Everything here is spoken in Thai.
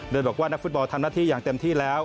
โดยบอกว่านักฟุตบอลทำหน้าที่อย่างเต็มที่แล้ว